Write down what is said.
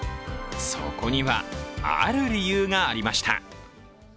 そこには、ある理由がありました。